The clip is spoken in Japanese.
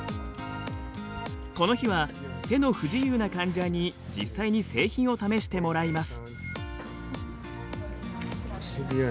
この日は手の不自由な患者に実際に製品を試してもらいます。